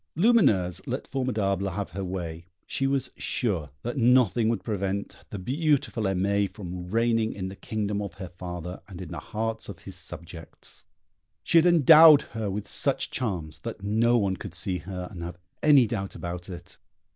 Lumineuse let Formidable have her way; she was sure that nothing would prevent the beautiful Aimée from reigning in the kingdom of her father, and in the hearts of his subjects. She had endowed her with such charms that no one could see her and have any doubt about it.